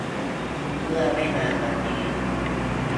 เมื่อไม่นานมานี้